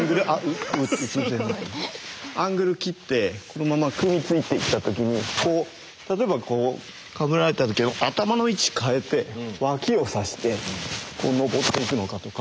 アングル切ってこのまま組みついていった時に例えばこうかぶられた時頭の位置変えて脇をさして上っていくのかとか。